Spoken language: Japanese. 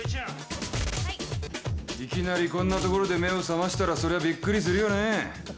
いきなりこんな所で目を覚ましたらそりゃびっくりするよね。